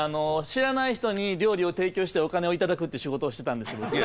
知らない人に料理を提供してお金を頂くって仕事をしてたんですけども。